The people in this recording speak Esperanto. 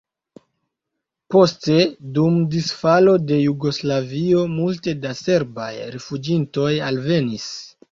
Poste dum disfalo de Jugoslavio multe da serbaj rifuĝintoj alvenis.